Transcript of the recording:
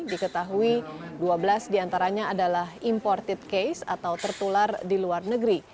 diketahui dua belas diantaranya adalah imported case atau tertular di luar negeri